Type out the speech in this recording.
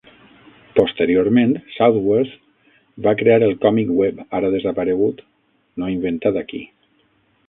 Posteriorment, Southworth va crear el còmic web ara desaparegut No inventat aquí.